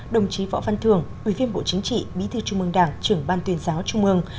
đồng chí võ văn thường ủy viên bộ chính trị bí thư trung mương đảng trưởng ban tuyên giáo trung mương